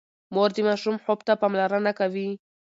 مور د ماشوم خوب ته پاملرنه کوي۔